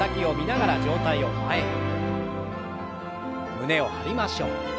胸を張りましょう。